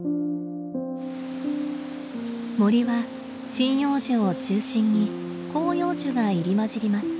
森は針葉樹を中心に広葉樹が入り交じります。